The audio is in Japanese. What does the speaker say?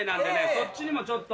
そっちにもちょっと。